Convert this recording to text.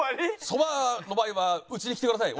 そばの場合はうちに来てください。